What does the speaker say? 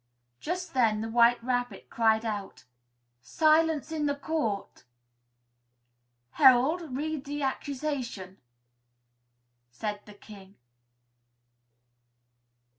Just then the White Rabbit cried out "Silence in the court!" "Herald, read the accusation!" said the King.